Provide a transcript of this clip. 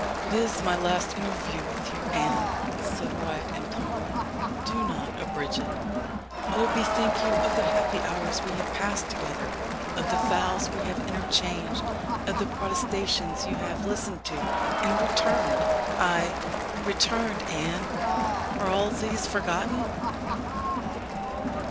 "It is my last interview with you, Anne," said Wyat imploringly; "do not abridge it. Oh, bethink you of the happy hours we have passed together of the vows we have interchanged of the protestations you have listened to, and returned ay, returned, Anne. Are all these forgotten?"